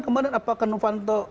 kemarin apakah novanto